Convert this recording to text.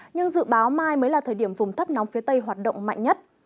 nhưng dự báo mai mới là thời điểm vùng thấp nóng phía tây hoạt động mạnh nhất